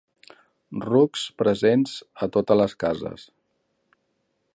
Rucs presents a totes les cases.